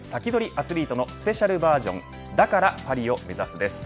アツリートのスペシャルバージョンだからパリを目指す！です。